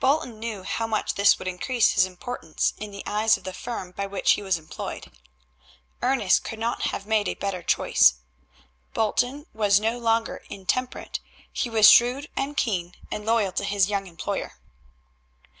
Bolton knew how much this would increase his importance in the eyes of the firm by which he was employed. Ernest could not have made a better choice. Bolton was no longer intemperate. He was shrewd and keen, and loyal to his young employer.